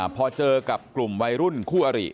พอเจอกับกลุ่มวัยรุ่นคู่อริ